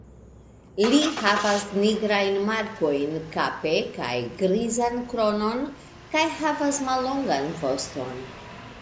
Ĝi havas nigrajn markojn kape kaj grizan kronon kaj havas mallongan voston.